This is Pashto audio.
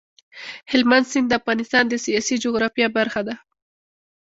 هلمند سیند د افغانستان د سیاسي جغرافیه برخه ده.